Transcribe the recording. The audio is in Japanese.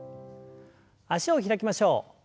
脚を開きましょう。